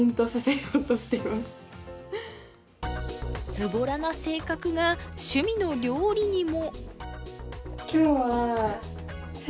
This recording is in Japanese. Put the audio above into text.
ズボラな性格が趣味の料理にも。